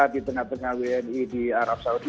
dengan wni di arab saudi